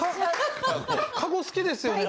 カゴ好きですよね？